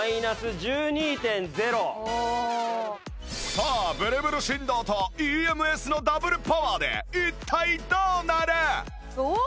さあブルブル振動と ＥＭＳ のダブルパワーで一体どうなる？